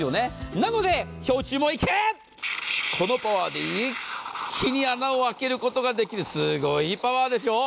なので氷柱もこのパワーで一気に穴を開けることができる、すごいパワーでしょう。